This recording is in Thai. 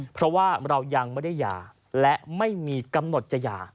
เพราะว่าเรายังไม่ได้หย่าและไม่มีกำหนดจะหย่า